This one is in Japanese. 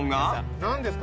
何ですか？